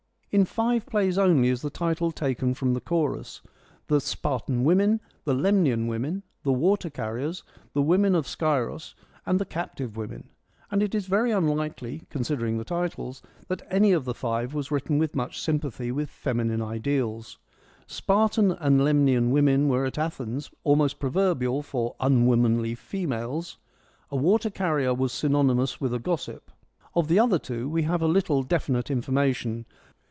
In live plays only is the title taken from the chorus, the Spartan Women, the Lemnian Women, the Water carriers, the Women of Scyros, and the Captive Women ; and it is very unlikely, considering the titles, that any one of the five was written with much sympathy with feminine ideals. ' Spartan ' and ' Lemnian ' women were at Athens almost proverbial for ' unwomanly ' females ; a ' Water carrier ' was synonymous with a gossip. Of the other two we have a little definite information.